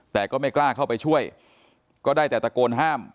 แต่ก็ไม่กล้าเข้าไปช่วยก็ได้แต่ตะโกนห้าม